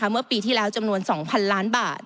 เมื่อปีที่แล้วจำนวน๒๐๐๐ล้านบาท